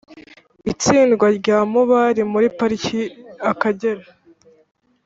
itsindwa rya mubari muri pariki akagera)